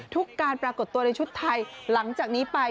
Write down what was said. การปรากฏตัวในชุดไทยหลังจากนี้ไป